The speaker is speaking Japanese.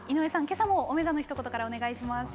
今朝も「おめざ」のひと言からお願いします。